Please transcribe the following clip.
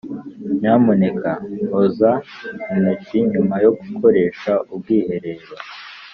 nyamuneka oza intoki nyuma yo gukoresha ubwiherero.